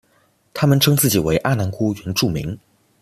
他们称自己为阿男姑原住民。